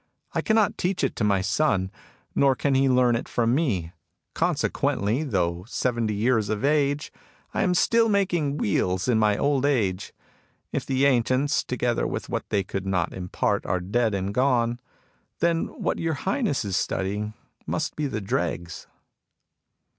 I cannot teach it to my son ; nor can he learn it from me. Consequently, though seventy years of age, I am still making wheels in my old age. If the ancients, together with what they could not impart, are dead and gone, then what your Highness is studying must be the dregs."